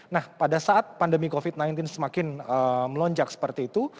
nah pada saat pandemi covid sembilan belas semakin melonjak seperti itu